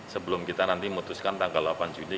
sebelum kita nanti memutuskan tanggal delapan juni